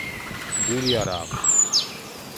გული არ აქვს.